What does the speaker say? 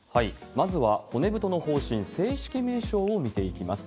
まずは骨太の方針、正式名称を見ていきます。